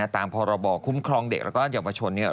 ตามพรคุ้มครองเด็กและเด็กวัชจนภรรย์